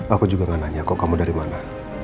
aku juga gak nanya kok kamu dari mana